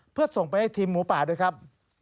เพื่อส่งไปให้ทีมหมูป่าด้วยครับ